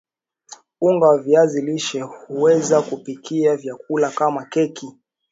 unga wa viazi lishe huweza kupikia vyakula kama keki